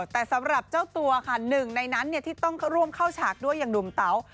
แต่สำหรับเจ้าตัวค่ะหนึ่งในนั้นที่ต้องเข้าร่วมเข้าฉากด้วยอย่างหนุ่มเต๋า